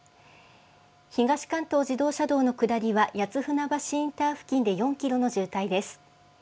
東関東自動車道の下りはやつふなばしインター付近の４キロの渋滞です。